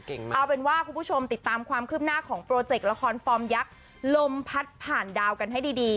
เอาเป็นว่าคุณผู้ชมติดตามความคืบหน้าของโปรเจกต์ละครฟอร์มยักษ์ลมพัดผ่านดาวกันให้ดี